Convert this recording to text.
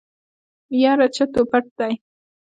يره چټ و پټ دی.